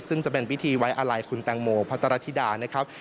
ซึ่งจะเป็นพิธีไว้อาลัยคุณแตงโมพัทรธิดานะครับ